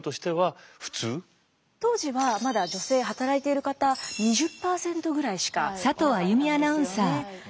当時はまだ女性働いている方２０％ぐらいしかいなかったんですよね。